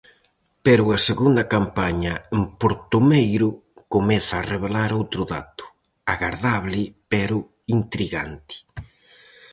Pero a segunda campaña en Portomeiro comeza a revelar outro dato, agardable pero intrigante.